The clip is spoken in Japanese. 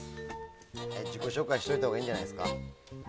自己紹介しておいたほうがいいんじゃないですか？